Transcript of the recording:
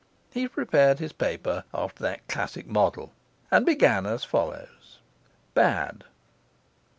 He prepared his paper after that classic model, and began as follows: Bad.